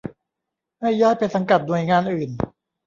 ให้ย้ายไปสังกัดหน่วยงานอื่น